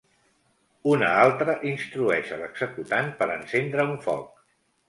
Una altra instrueix a l'executant per encendre un foc.